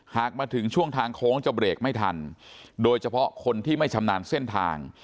หากมาถึงช่วงทางโค้งจะเบรกไม่ทันโดยเฉพาะคนที่ไม่ชำนาญเส้นทาง